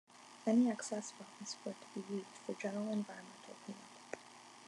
Any excess funds were to be used for general environmental cleanup.